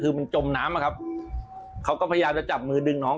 คือมันจมน้ำอะครับเขาก็พยายามจะจับมือดึงน้อง